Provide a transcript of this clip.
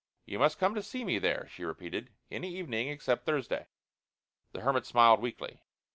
"You must come to see me there," she repeated. "Any evening except Thursday." The hermit smiled weakly.